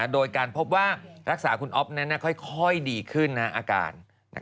โดยการพบว่ารักษาคุณอ๊อฟนั้นค่อยดีขึ้นอาการ